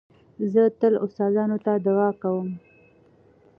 زه تل استادانو ته دؤعا کوم.